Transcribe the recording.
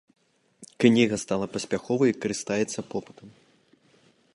Кніга стала паспяховай і карыстаецца попытам.